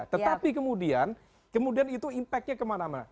tetapi kemudian kemudian itu impactnya kemana mana